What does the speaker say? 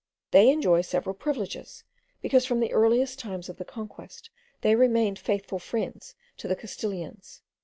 They enjoy several privileges, because from the earliest times of the conquest they remained faithful friends to the Castilians.